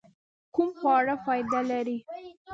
کوم خواړه فائده لري؟